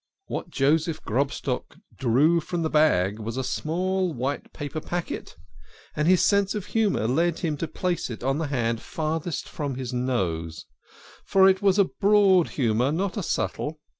What Joseph Grobstock drew from the bag was a small white paper packet, and his sense of humour led him to place it in the hand furthest from his nose ; for it was a broad humour, not a subtle.